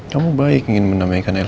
kamu baik ingin menamaikan air